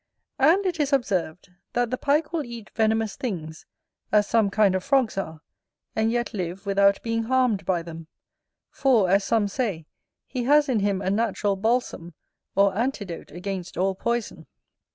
And it is observed, that the Pike will eat venomous things, as some kind of frogs are, and yet live without being harmed by them; for, as some say, he has in him a natural balsam, or antidote against all poison.